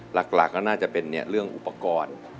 หลักก็น่าจะเป็นเรื่องอุปกรณ์